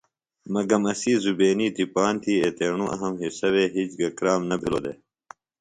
مگم اسی زبینی تپان تی اینوࣿ اہم حصہ وے ہِج گہ کرام نہ بِھلوࣿ دےۡ۔